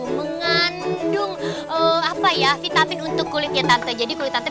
mami ada ada aja deh